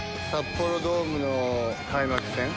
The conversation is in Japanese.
札幌ドームの開幕戦。